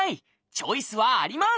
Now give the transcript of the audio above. チョイスはあります！